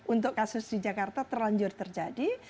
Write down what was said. untuk kasus di jakarta terlanjur terjadi